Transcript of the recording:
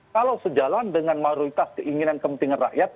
kalau sejalan dengan mayoritas keinginan kepentingan rakyat